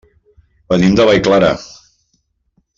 Venim de Vallclara.